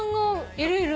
いるいる。